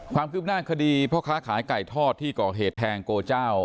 ความคืบหน้าคดีพ่อค้าขายไก่ทอดที่ก่อเหตุแทงโกเจ้า